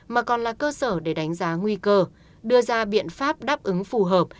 mà còn là cơ sở để đánh giá nguy cơ đưa ra biện pháp đáp ứng phù hợp